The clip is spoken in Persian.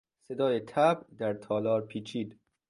صدای طبل در تالار پیچید.